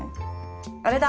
あれだ！